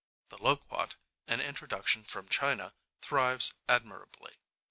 The loquat, an introduction from China, thrives admirably.